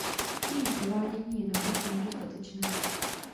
Její provádění je naprosto nedostatečné.